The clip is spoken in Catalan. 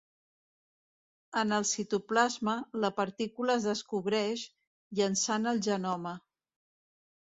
En el citoplasma, la partícula es descobreix, llançant el genoma.